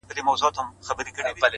o د تورو زلفو په هر تار راته خبري کوه،